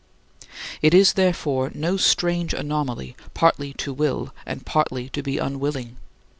It is, therefore, no strange anomaly partly to will and partly to be unwilling.